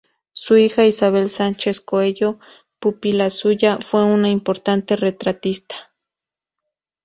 Su hija, Isabel Sánchez Coello, pupila suya, fue una importante retratista.